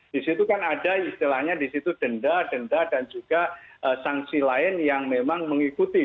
di situ kan ada istilahnya di situ denda denda dan juga sanksi lain yang memang mengikuti